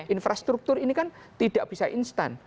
infrastruktur ini kan tidak bisa instan